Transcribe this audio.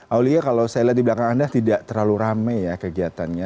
aulia kalau saya lihat di belakang anda tidak terlalu rame ya kegiatannya